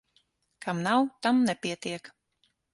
Kam nav, tam nepietiek.